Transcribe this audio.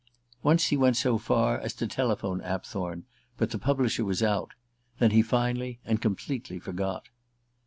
Once he went so far as to telephone Apthorn, but the publisher was out. Then he finally and completely forgot.